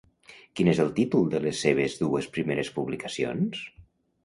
Quin és el títol de les seves dues primeres publicacions?